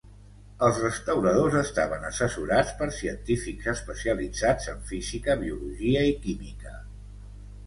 Els restauradors estaven assessorats per científics especialitzats en física, biologia i química.